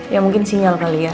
ya mungkin sinyal kali ya